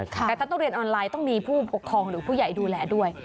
แต่ถ้าต้องเรียนออนไลน์ต้องมีผู้ปกครองหรือผู้ใหญ่ดูแลด้วย